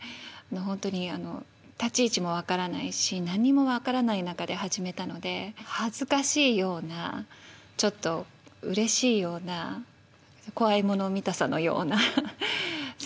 本当にあの立ち位置も分からないし何にも分からない中で始めたので恥ずかしいようなちょっとうれしいような怖いもの見たさのようなそんな気分です。